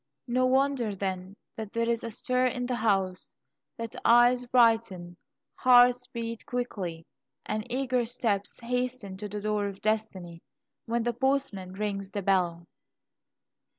No wonder, then, that there is a stir in the house, that eyes brighten, hearts beat quickly, and eager steps hasten to the door of destiny, when the postman rings the bell!